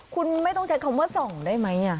คุณไม่ต้องใช้คำว่าส่องได้ไหม